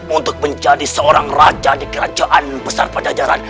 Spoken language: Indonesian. untuk menjadi seorang raja di kerajaan besar pajajaran